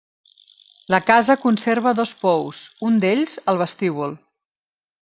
La casa conserva dos pous, un d'ells al vestíbul.